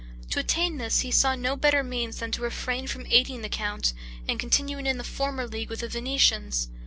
To attain this he saw no better means than to refrain from aiding the count, and continuing in the former league with the Venetians.